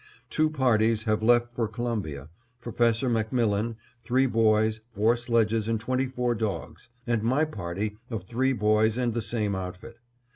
Two parties have left for Columbia: Professor MacMillan, three boys, four sledges, and twenty four dogs; and my party of three boys and the same outfit.